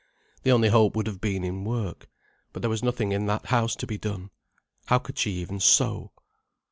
The only hope would have been in work. But there was nothing in that house to be done. How could she even sew?